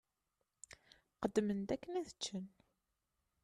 Qqedmen-d akken ad ččen.